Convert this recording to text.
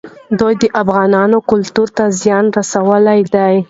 دوی د افغانانو کلتور ته زیان رسولی دی.